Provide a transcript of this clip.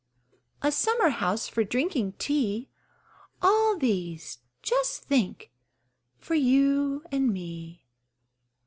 A summer house for drinking tea All these (just think!) for you and me.